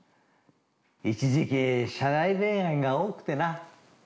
◆一時期、社内恋愛が多くてな。